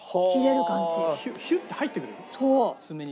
ヒュッて入ってくるの爪に。